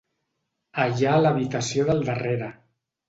Allà a l'habitació del darrere.